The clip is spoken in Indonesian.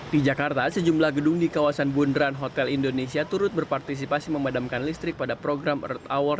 di jakarta sejumlah gedung di kawasan bundaran hotel indonesia turut berpartisipasi memadamkan listrik pada program earth hour